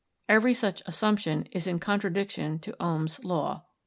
Every such assumption is in contradiction to Ohm's law."